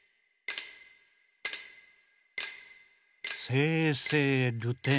「せいせいるてん」。